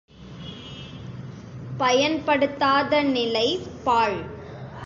பயன்படுத்தாத நிலை பாழ்.